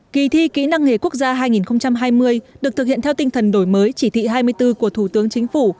kỳ thi kỹ năng nghề quốc gia hai nghìn hai mươi được thực hiện theo tinh thần đổi mới chỉ thị hai mươi bốn của thủ tướng chính phủ